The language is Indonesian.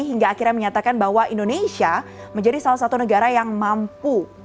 hingga akhirnya menyatakan bahwa indonesia menjadi salah satu negara yang mampu